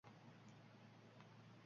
Yoshligimda ham hanuzki oilam mavzusi.